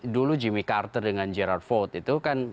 dulu jimmy carter dengan gerard ford itu kan